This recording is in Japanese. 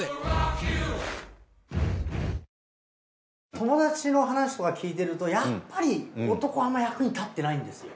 友達の話とか聞いてるとやっぱり男あんま役に立ってないんですよ。